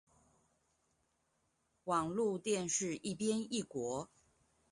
網路電視一邊一國